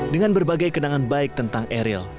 dengan berbagai kenangan baik tentang eril